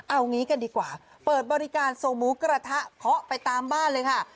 เอางี้กันดีกว่าเปิดบริการส่งหมูกระทะเคาะไปตามบ้านเลยค่ะ